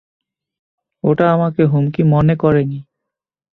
ওটা আমাকে হুমকি মনে করেনি।